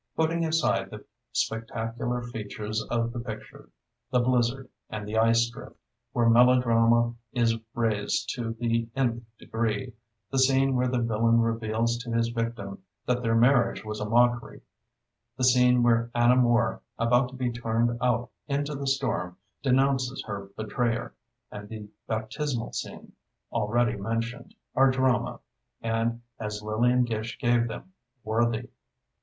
Putting aside the spectacular features of the picture—the blizzard and the ice drift, where melodrama is raised to the nth degree—the scene where the villain reveals to his victim that their marriage was a mockery, the scene where Anna Moore, about to be turned out into the storm, denounces her betrayer, and the baptismal scene, already mentioned, are drama, and, as Lillian Gish gave them, worthy.